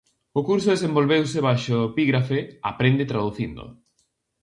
O curso desenvolveuse baixo o epígrafe "Aprende traducindo".